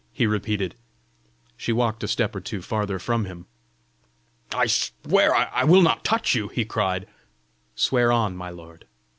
he repeated. She walked a step or two farther from him. "I swear I will not touch you!" he cried. "Swear on, my lord!